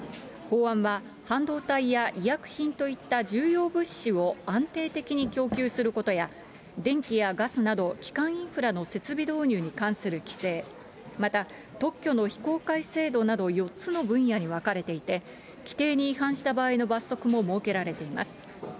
法案は半導体や医薬品といった重要物資を安定的に供給することや、電気やガスなど基幹インフラの設備導入に関する規制、また特許の非公開制度など、４つの分野に分かれていて、規定に違反した場合の罰則も設けられています。